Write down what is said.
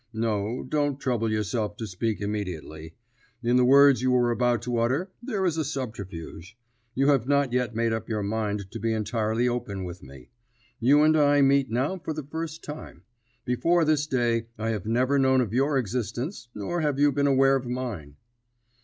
No, don't trouble yourself to speak immediately. In the words you were about to utter there is a subterfuge; you have not yet made up your mind to be entirely open with me. You and I meet now for the first time. Before this day I have never known of your existence, nor have you been aware of mine."